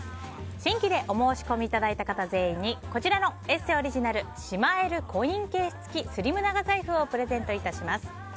新規でお申込みいただいた方全員に「ＥＳＳＥ」オリジナルしまえるコインケース付きスリム長財布をプレゼントいたします。